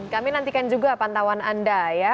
kami nantikan juga pantauan anda ya